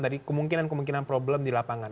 dari kemungkinan kemungkinan problem di lapangan